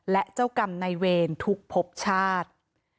และเจ้ากรรมในเวรทุกพบชาติ